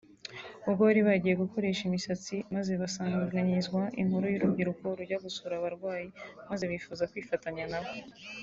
ubwo bari bagiye gukoresha imisatsi maze basangizwa inkuru y’urubyiruko rujya gusura abarwayi maze bifuza kwifatanya nabo